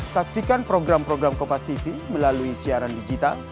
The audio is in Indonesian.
saksikan program program kompastv melalui siaran digital